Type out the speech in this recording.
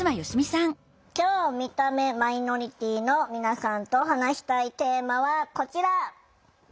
今日見た目マイノリティーの皆さんと話したいテーマはこちら。